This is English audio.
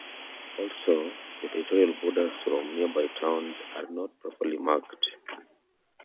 Also, the territorial borders from nearby towns are not properly marked.